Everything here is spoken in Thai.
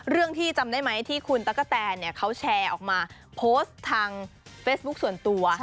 ที่จำได้ไหมที่คุณตั๊กกะแตนเขาแชร์ออกมาโพสต์ทางเฟซบุ๊คส่วนตัว